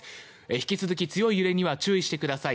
引き続き強い揺れには注意してください。